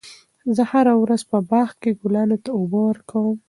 زه هره ورځ په باغ کې ګلانو ته اوبه ورکوم.